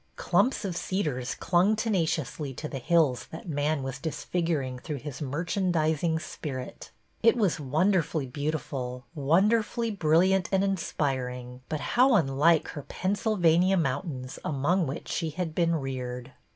Clumps of cedars clung tenaciously to the hills that man was disfiguring through his mer chandising spirit. It was wonderfully beautiful, wonderfully bril liant and inspiring, but how unlike her Pennsyl vania mountains among which she had been reared!